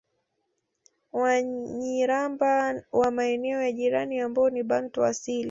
Wanyiramba wa maeneo ya jirani ambao ni Bantu asili